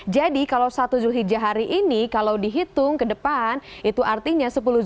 jadi kalau satu zulhijjah hari ini kalau dihitung ke depan itu artinya seputar haji